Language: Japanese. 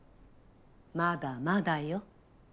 まだまだよ。